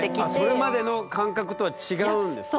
それまでの感覚とは違うんですか？